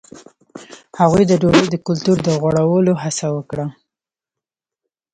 هغوی د ډوډۍ د کلتور د غوړولو هڅه وکړه.